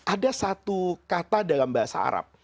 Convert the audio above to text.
ada satu kata dalam bahasa arab